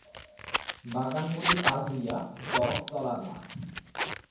বাগানগুলি পার হইয়া চড়কতলার মাঠ।